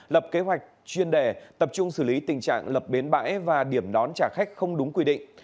lập kế hoạch chuyên đề tập trung xử lý tình trạng lập bến bãi và điểm đón trả khách không đúng quy định